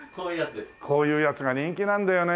こういうやつが人気なんだよね。